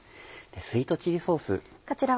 スイートチリソース。